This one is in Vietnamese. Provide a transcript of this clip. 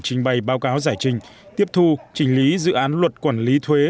trình bày báo cáo giải trình tiếp thu trình lý dự án luật quản lý thuế